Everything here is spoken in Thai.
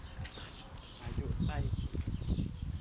พายุใต้ฝุ่น